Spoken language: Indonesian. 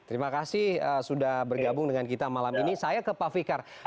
terima kasih sudah bergabung dengan kita malam ini saya ke pak fikar